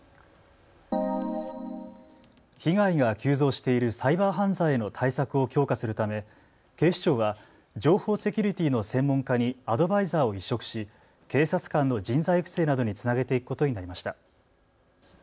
被害が急増しているサイバー犯罪への対策を強化するため警視庁は情報セキュリティーの専門家にアドバイザーを委嘱し警察官の人材育成などにつなげていくことになりました。